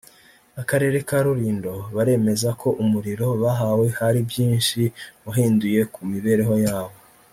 Akarere ka Rulindo baremeza ko umuriro bahawe hari byinshi wahinduye ku mibereho yabo